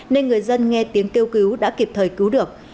nên người dân nghe tiếng kêu cứu đã kịp thời cứu được